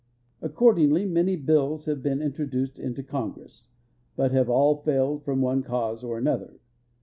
Accordingly many bills have been introduced into Con gress, but have all failed from one cause or another.